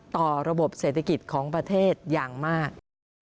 ต่อระบบเศรษฐกิจของประเทศอย่างมาก